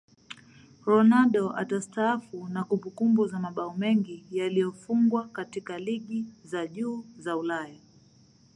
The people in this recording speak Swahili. Ronaldo atastaafu na kumbukumbu za mabao mengi yaliyofungwa katika ligi za juu za Ulaya